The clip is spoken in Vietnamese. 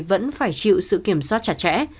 vẫn phải chịu sự kiểm soát chặt chẽ